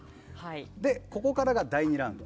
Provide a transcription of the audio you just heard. ここからが第２ラウンド。